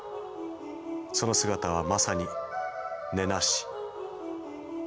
その姿はまさに根無し。